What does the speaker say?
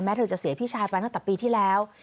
เธอจะเสียพี่ชายไปตั้งแต่ปีที่แล้ว